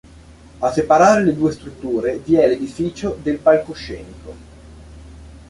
A separare le due strutture vi è l'edificio del palcoscenico.